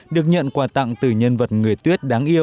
được nhận quà tặng từ nhân vật người tuyết đáng yêu